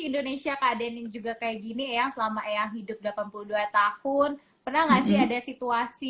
indonesia kaden yang juga kayak gini yang selama yang hidup delapan puluh dua tahun pernah ngasih ada situasi